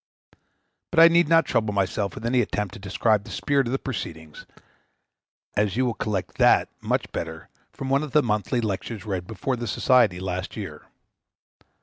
But I need not trouble myself with any attempt to describe the spirit of their proceedings, as you will collect that much better from one of the Monthly Lectures read before the society last year.